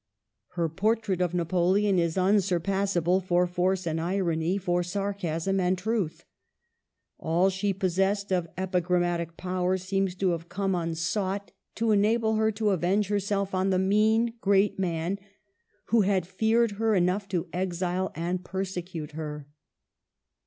Her portrait of Napo leon is unsurpassable for force and irony, for sarcasm and truth. All she possessed of epi grammatic power seems to have come unsought Digitized by VjOOQIC 238 MADAME DE STAEL. to enable her to avenge herself on the mean, great man who had feared her enough to exile and persecute her.